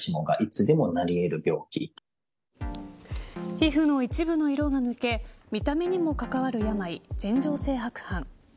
皮膚の一部の色が抜け見た目にも関わる病尋常性白斑。